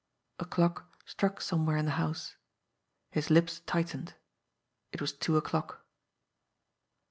A clock struck somewhere in the house. His lips tightened. It was two o'clock.